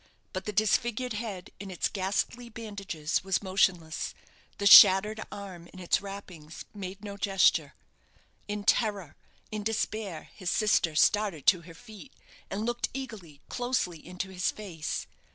But the disfigured head in its ghastly bandages was motionless; the shattered arm in its wrappings made no gesture. In terror, in despair, his sister started to her feet, and looked eagerly, closely, into his face.